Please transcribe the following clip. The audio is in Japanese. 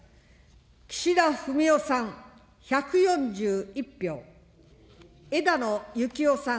岸田文雄さん１４１票、枝野幸男さん